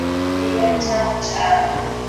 Miya tamtam